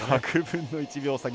１００分の１秒差。